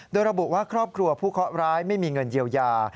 โดยระบุว่าครอบครัวผู้เคาะร้ายไม่มีเงินเยียวยา